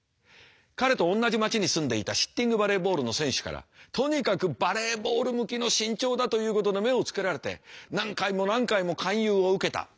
彼と同じ町に住んでいたシッティングバレーボールの選手からとにかくバレーボール向きの身長だということで目をつけられて何回も何回も勧誘を受けた。